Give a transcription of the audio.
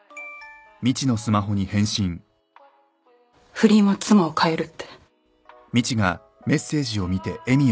不倫は妻を変えるって。